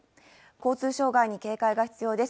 交通障害に警戒が必要です。